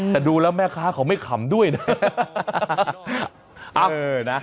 แต่ดูแล้วแม่ค้าเขาไม่ขำด้วยนะ